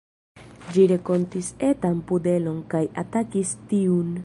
Ĝi renkontis etan pudelon kaj atakis tiun.